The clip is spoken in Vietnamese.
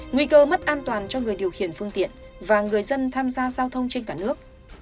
nguy cơ mất an toàn cho người điều khiển phương tiện và người dân tham gia giao thông trên cả nước